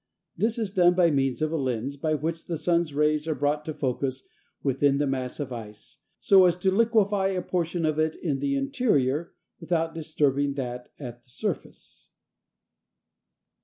This is done by means of a lens, by which the sun's rays are brought to a focus within the mass of ice, so as to liquefy a portion of it in the interior without disturbing that at the surface.